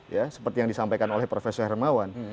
ya seperti yang disampaikan oleh prof hermawan